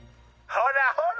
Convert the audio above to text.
「ほらほら！